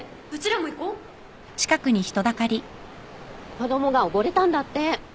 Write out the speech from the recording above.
・子供が溺れたんだって。